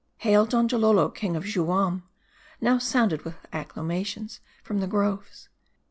" Hail, Donjalolo, King of Juam," now sounded with acclamations from the groves.